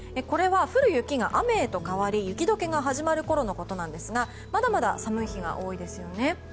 これは降る雪が雨へと変わり雪解けが始まるころのことですがまだまだ寒い日が多いですよね。